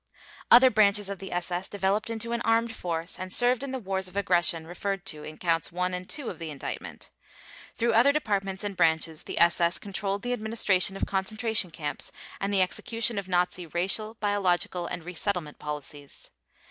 Other branches of the SS developed into an armed force and served in the wars of aggression referred to in Counts One and Two of the Indictment. Through other departments and branches the SS controlled the administration of concentration camps and the execution of Nazi racial, biological, and resettlement policies.